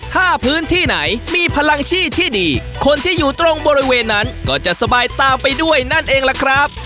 ถ้าพื้นที่ไหนมีพลังชีพที่ดีคนที่อยู่ตรงบริเวณนั้นก็จะสบายตามไปด้วยนั่นเองล่ะครับ